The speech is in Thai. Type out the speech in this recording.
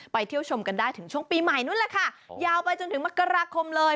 เที่ยวชมกันได้ถึงช่วงปีใหม่นู้นแหละค่ะยาวไปจนถึงมกราคมเลย